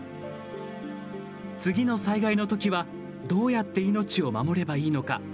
次の災害のときはどうやって命を守ればいいのか。